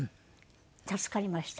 助かりました。